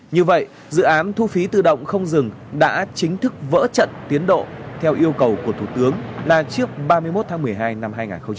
như vậy dự án thu phí tự động không dừng đã chính thức vỡ trận tiến độ theo yêu cầu của thủ tướng là trước ba mươi một tháng một mươi hai năm hai nghìn hai mươi